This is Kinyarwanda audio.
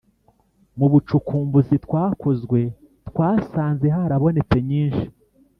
mu bucukumbuzi twakozwe twasanze harabonetse nyinshi